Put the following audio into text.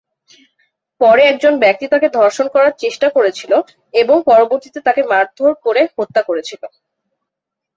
পরে একজন ব্যক্তি তাকে ধর্ষণ করার চেষ্টা করেছিল এবং পরবর্তীতে তাকে মারধর করে হত্যা করেছিল।